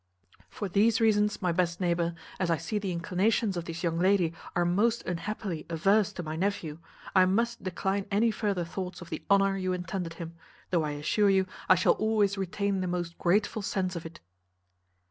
"For these reasons, my best neighbour, as I see the inclinations of this young lady are most unhappily averse to my nephew, I must decline any further thoughts of the honour you intended him, though I assure you I shall always retain the most grateful sense of it."